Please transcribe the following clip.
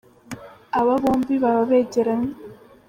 Aba bombi baba begeranye.